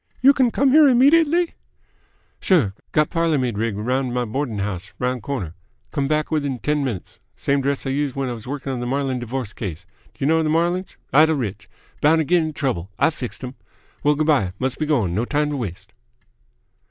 "You can come here immediately?" "Sure. Got parlour maid rig round at m' boarding house round corner. Come back with it 'n ten minutes. Same dress I used when I w's working on th' Marling D'vorce case. D'jer know th' Marlings? Idle rich! Bound t' get 'nto trouble. I fixed 'm. Well, g'bye. Mus' be going. No time t' waste."